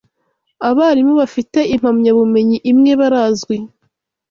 abarimu bafite impamyabumenyi imwe barazwi